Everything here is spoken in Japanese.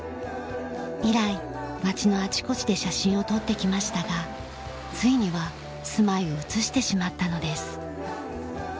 以来町のあちこちで写真を撮ってきましたがついには住まいを移してしまったのです。